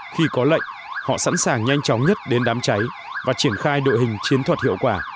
khi có lệnh họ sẵn sàng nhanh chóng nhất đến đám cháy và triển khai đội hình chiến thuật hiệu quả